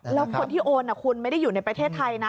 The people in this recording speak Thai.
แล้วคนที่โอนคุณไม่ได้อยู่ในประเทศไทยนะ